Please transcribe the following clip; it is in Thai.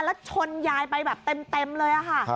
แล้วชนยายไปแบบเต็มเลยค่ะ